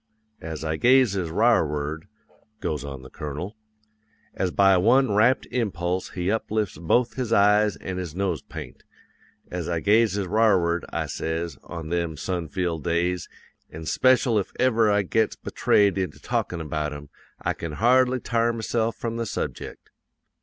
"'As I gazes r'arward,' goes on the Colonel, as by one rapt impulse he uplifts both his eyes an' his nosepaint, 'as I gazes r'arward, I says, on them sun filled days, an' speshul if ever I gets betrayed into talkin' about 'em, I can hardly t'ar myse'f from the subject.